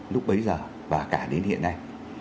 lúc bấy giờ và cả đến hiện nay